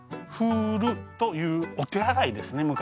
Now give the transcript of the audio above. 「フール」というお手洗いですね